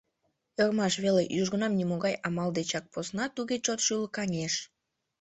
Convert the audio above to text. Ӧрмаш веле, южгунам нимогай амал дечак посна туге чот шӱлыкаҥеш.